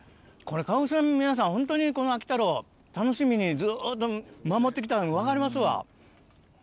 これ、鹿児島の皆さん、本当にこの秋太郎、楽しみにずっと守ってきたのが分かりますわ。